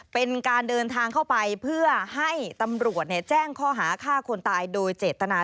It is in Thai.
เป็นการเดินทางเข้าไปเพื่อให้ตำรวจแจ้งข้อหาฆ่าคนตายโดยเจตนา